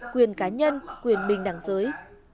quyền cá nhân quyền mình đằng dưới